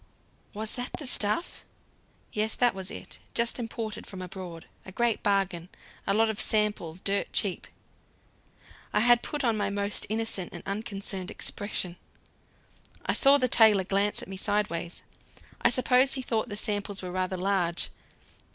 "Was that the stuff?" "Yes, that was it. Just imported from abroad. A great bargain. A lot of samples dirt cheap." I had put on my most innocent and unconcerned expression. I saw the tailor glance at me sideways; I suppose he thought the samples were rather large.